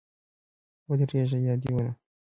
ودرېږه یا دي ولم